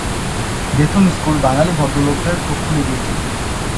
Bethune school Bengali "ভদ্রলোক"দের চোখ খুলে দিয়েছিল।